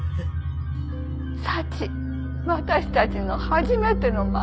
「サチ私たちの初めての孫」。